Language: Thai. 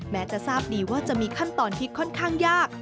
แม้จะทราบดีว่าจะมีขั้นตอนที่ค่อนข้างยาก